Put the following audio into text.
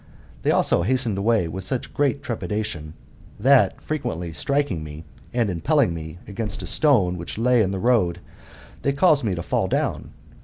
They also hastened away with such great trepidation, that, frequently striking me, and impelling me against a stone which lay in the road, they caused me to fall down.